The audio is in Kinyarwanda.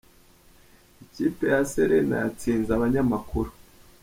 Ikipe ya Serena yatsinze Abanyamakuru